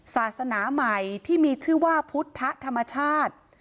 ศาสนาใหม่ที่มีชื่อว่าพุทธธรรมชาติ